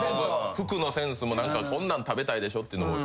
服のセンスも「こんなん食べたいでしょ」っていうのも。